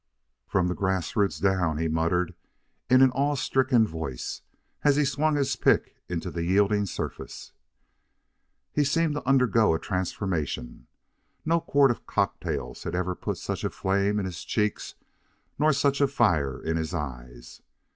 "From the grass roots down," he muttered in an awestricken voice, as he swung his pick into the yielding surface. He seemed to undergo a transformation. No quart of cocktails had ever put such a flame in his cheeks nor such a fire in his eyes.